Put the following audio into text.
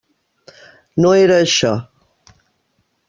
No era això.